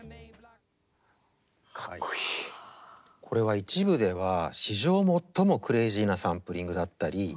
これは一部では史上最もクレージーなサンプリングだったり